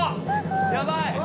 やばい。